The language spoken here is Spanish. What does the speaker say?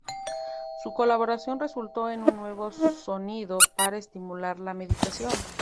Su colaboración resultó en un nuevo sonido para estimular la meditación.